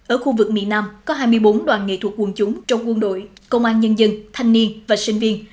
ở khu vực miền nam có hai mươi bốn đoàn nghệ thuật quân chúng trong quân đội công an nhân dân thanh niên và sinh viên